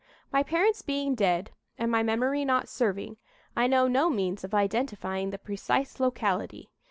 My parents being dead, and my memory not serving, I know no means of identifying the precise locality.